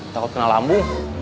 takut kena lambung